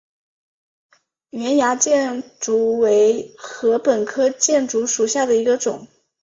圆芽箭竹为禾本科箭竹属下的一个种。